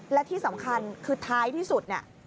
และที่สำคัญคือท้ายที่สุดเนี่ย